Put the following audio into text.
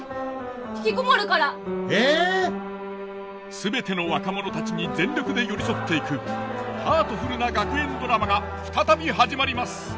全ての若者たちに全力で寄り添っていくハートフルな学園ドラマが再び始まります。